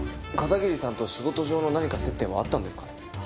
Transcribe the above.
片桐さんと仕事上の何か接点はあったんですか？